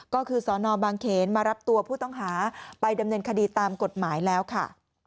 ก็คือสนบางเขนมารับตัวผู้ต้องหาไปดำเนินคดีตามกฎหมายแล้วค่ะ